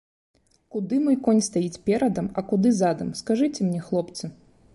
Куды мой конь стаіць перадам, а куды задам, скажыце мне, хлопцы?